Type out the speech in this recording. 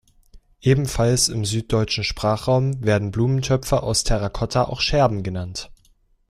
Ebenfalls im süddeutschen Sprachraum werden Blumentöpfe aus Terrakotta auch Scherben genannt.